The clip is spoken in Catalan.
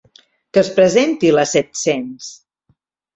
Que es presenti la set-cents!